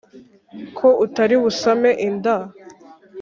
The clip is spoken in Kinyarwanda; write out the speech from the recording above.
ko utari busame inda,